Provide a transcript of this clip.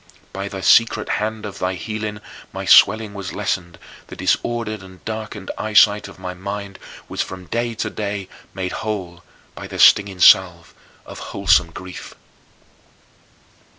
By the secret hand of thy healing my swelling was lessened, the disordered and darkened eyesight of my mind was from day to day made whole by the stinging salve of wholesome grief.